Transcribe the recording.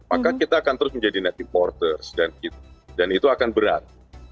maka kita akan terus menjadi net importer dan itu akan berat